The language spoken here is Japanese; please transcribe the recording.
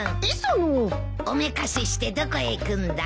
おめかししてどこへ行くんだ？